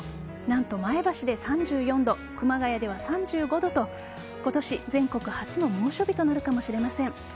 何と前橋で３４度熊谷では３５度と今年全国初の猛暑日となるかもしれません。